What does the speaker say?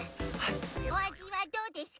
おあじはどうですか？